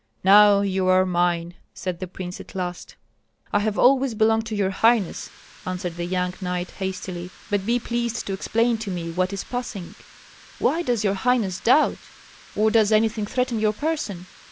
"Now you are mine," said the prince, at last. "I have always belonged to your highness," answered the young knight, hastily; "but be pleased to explain to me what is passing. Why does your highness doubt? Or does anything threaten your person?